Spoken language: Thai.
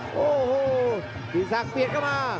โอ้โหกิติศักดิ์เปลี่ยนเข้ามา